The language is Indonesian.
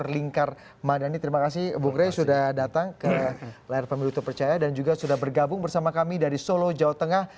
layar pemilu terpercaya dan juga sudah bergabung bersama kami dari solo jawa tengah